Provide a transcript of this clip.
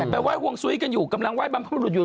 เป็นวัยวงซุ้ยกันอยู่กำลังว่ายบำรุดอยู่